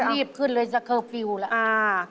รีบขึ้นเลยจะเคิบฟิวแล้ว